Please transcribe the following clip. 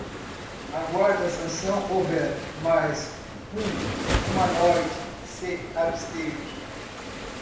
Aguarda sanção ou veto, mas um humanoide se absteve